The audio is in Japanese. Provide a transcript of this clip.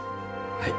はい。